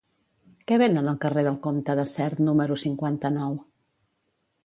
Què venen al carrer del Comte de Sert número cinquanta-nou?